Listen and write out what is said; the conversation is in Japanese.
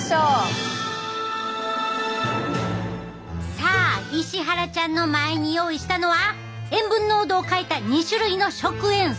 さあ石原ちゃんの前に用意したのは塩分濃度を変えた２種類の食塩水。